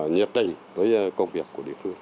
nhiệt tình với công việc của địa phương